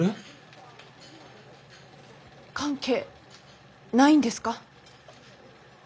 関係ないんですか？